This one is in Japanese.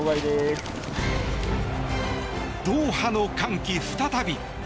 ドーハの歓喜再び。